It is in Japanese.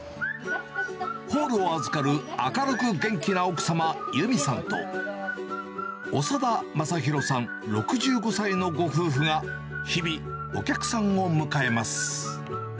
ホールを預かる明るく元気な奥様、由美さんと、長田まさひろさん６５歳のご夫婦が、日々、お客さんを迎えます。